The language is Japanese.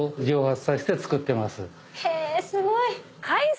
へぇすごい！